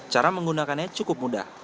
cara menggunakannya cukup mudah